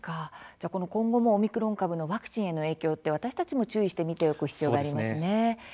今後のオミクロン株のワクチンへの影響は私たちも注意して見ていく必要がありますね。